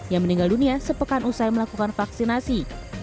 yang meninggal dunia sepekan usai melakukan vaksinasi